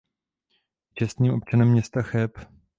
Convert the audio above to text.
Je čestným občanem města Cheb.